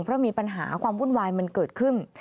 เพราะมีปัญหาความวุ่นวายมันเกิดขึ้น